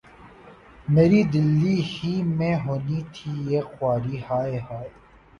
میری‘ دلی ہی میں ہونی تھی یہ خواری‘ ہائے ہائے!